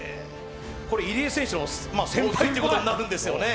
入江選手の先輩ということになるんですよね。